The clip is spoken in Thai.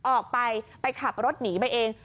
ออกไปไปขับรถหนีไปเอง